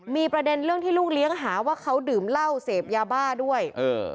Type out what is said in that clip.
มีประเด็นเรื่องที่ลูกเลี้ยงหาว่าเขาดื่มเหล้าเสพยาบ้าด้วยเออ